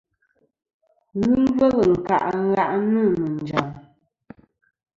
Ghɨ ngvêl nkâʼ ngàʼnɨ̀ nɨ̀ njàm.